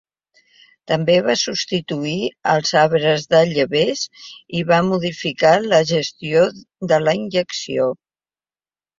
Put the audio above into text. També va substituir els arbres de lleves i va modificar la gestió de la injecció.